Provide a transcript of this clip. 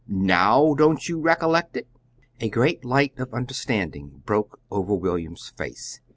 NOW don't you recollect it?" A great light of understanding broke over William's face.